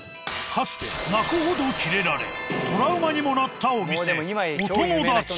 かつて泣くほどキレられトラウマにもなったお店「おともだち」。